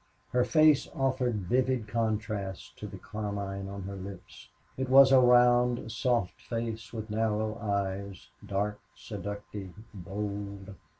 Her face offered vivid contrast to the carmine on her lips. It was a round, soft face, with narrow eyes, dark, seductive, bold.